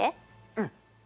うん。